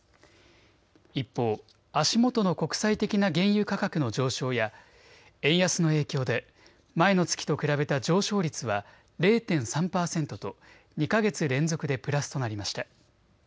一方、足元の国際的な原油価格の上昇や円安の影響で前の月と比べた上昇率は０．３％と２か月連続でプラスとなりました。